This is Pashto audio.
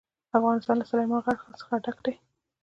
افغانستان له سلیمان غر څخه ډک دی.